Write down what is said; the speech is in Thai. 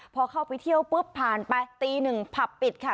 พอเข้าไปเที่ยวปุ๊บผ่านไปตีหนึ่งผับปิดค่ะ